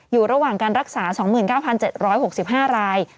อยู่ระหว่างการรักษา๒๙๗๖๕ราย